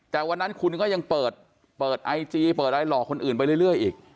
แต่วันนั้นคุณก็ยังเปิดไอจีเปิดอะไรหล่อคนอื่นไปเรื่อยอีก